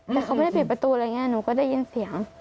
แต่เขาไม่ได้ปิดประตูอะไรอย่างนี้หนูก็ได้ยินเสียง